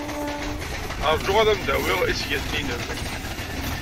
Ṛju ad am-d-awiɣ isgaten-nnem.